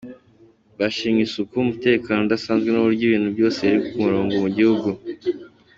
Bashimye isuku, umutekano udasanzwe n’uburyo ibintu byose biri ku murongo mu gihugu.